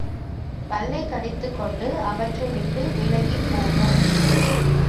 பல்லைக் கடித்துக்கொண்டு அவற்றை விட்டு விலகிப்போனோம்.